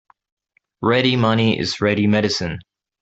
Ready money is ready medicine.